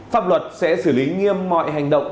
pháp luật sẽ xử lý nghiêm mọi hành động